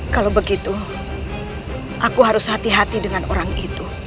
kalau begitu aku harus hati hati dengan orang itu